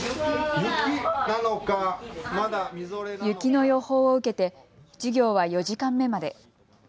雪の予報を受けて授業は４時間目まで。